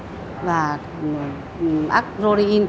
hoặc là acrolein